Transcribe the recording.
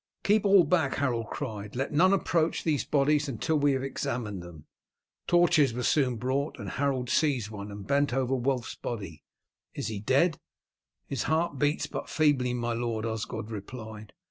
"Keep all back!" Harold cried. "Let none approach these bodies until we have examined them." Torches were soon brought. Harold seized one, and bent over Wulf's body. "Is he dead?" "His heart beats, but feebly, my lord," Osgod replied.